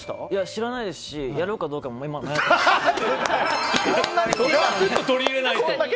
知らないですしやろうかどうかもまだ。